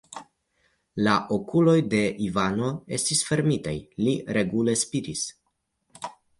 La okuloj de Ivano estis fermitaj, li regule spiris.